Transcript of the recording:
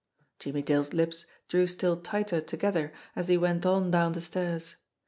Jimmie Dale's lips drew still tighter together as he went on down the stairs.